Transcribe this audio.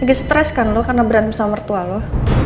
lagi stress kan lo karena berani bersama mertua lo